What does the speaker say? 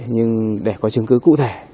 nhưng để có chứng cứ cụ thể